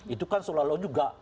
itu kan seolah olah juga